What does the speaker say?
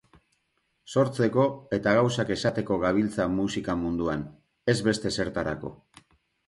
Sortzeko eta gauzak esateko gabiltza musika munduan, ez beste ezertarako.